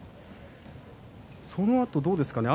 そのあと、どうですかね？